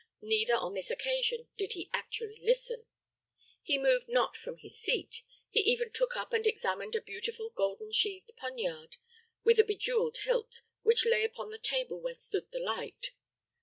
Neither, on this occasion, did he actually listen. He moved not from his seat; he even took up and examined a beautiful golden sheathed poniard with a jeweled hilt, which lay upon the table where stood the light.